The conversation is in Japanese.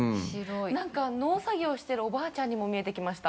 何か農作業してるおばあちゃんにも見えてきました・